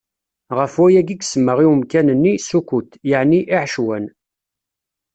Ɣef wayagi i yesemma i umkan-nni Sukut, yeɛni iɛecwan.